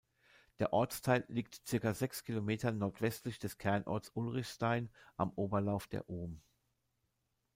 Der Ortsteil liegt circa sechs Kilometer nordwestlich des Kernorts Ulrichstein am Oberlauf der Ohm.